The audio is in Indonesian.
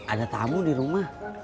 ada tamu di rumah